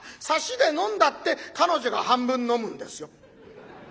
サシで飲んだって彼女が半分飲むんですよ？